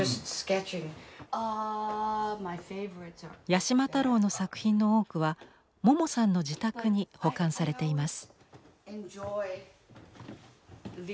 八島太郎の作品の多くはモモさんの自宅に保管されています。